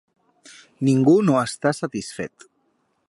Ningú no està satisfet.